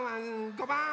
５ばん！